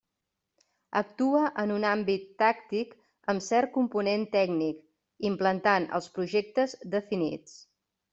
Actua en un àmbit tàctic amb cert component tècnic, implantant els projectes definits.